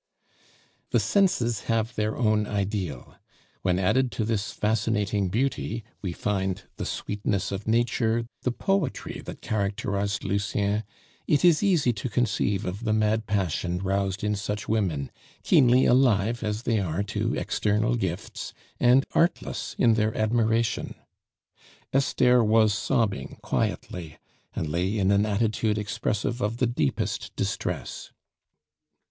The senses have their own ideal. When added to this fascinating beauty we find the sweetness of nature, the poetry, that characterized Lucien, it is easy to conceive of the mad passion roused in such women, keenly alive as they are to external gifts, and artless in their admiration. Esther was sobbing quietly, and lay in an attitude expressive of the deepest distress.